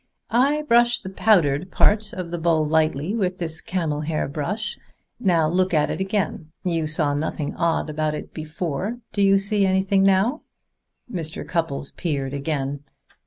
"I brush the powdered part of the bowl lightly with this camel hair brush. Now look at it again. You saw nothing odd about it before. Do you see anything now?" Mr. Cupples peered again.